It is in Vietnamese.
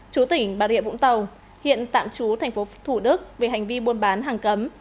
chú tỉnh bà rịa vũng tàu hiện tạm chú thành phố thủ đức về hành vi buôn bán hàng cấm